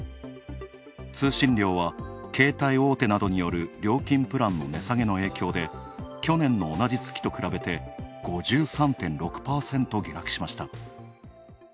通信料は携帯大手などによる料金プランの値下げの影響で去年の同じ月と比べて５３．６％下落しました。